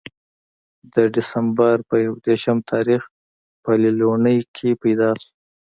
د دسمبر پۀ يو ديرشم تاريخ پۀ ليلوڼۍ کښې پېداشو